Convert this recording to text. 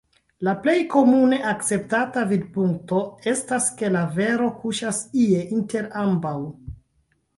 La plej komune akceptata vidpunkto estas ke la vero kuŝas ie inter ambaŭ.